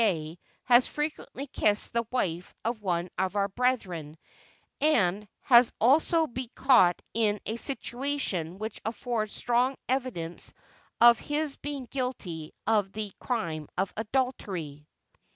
Dey has frequently kissed the wife of one of our brethren, and has also been caught in a situation which affords strong evidence of his being guilty of the crime of adultery!"